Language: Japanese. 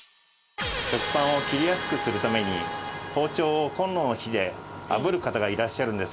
食パンを切りやすくするために包丁をコンロの火であぶる方がいらっしゃるんですが。